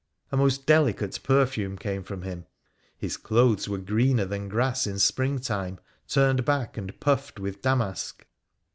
A most delicate perfume came from him : his clothes were greener than grass in springtime, turned back, and puffed with damask.